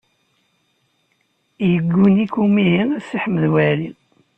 Yegguni-k umihi a Si Ḥmed Waɛli.